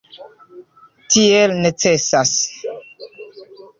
Tiel necesas.